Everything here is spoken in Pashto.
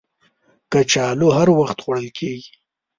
کچالو هر وخت خوړل کېږي